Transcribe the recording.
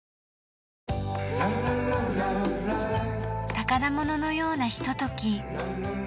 宝物のようなひととき。